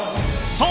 そう！